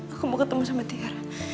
aku mau ketemu sama tiara